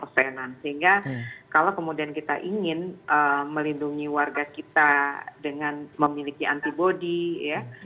sehingga kalau kemudian kita ingin melindungi warga kita dengan memiliki antibody ya